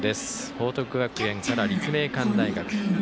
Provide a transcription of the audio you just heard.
報徳学園から立命館大学。